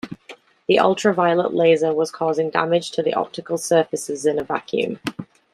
The ultraviolet laser was causing damage to the optical surfaces in a vacuum.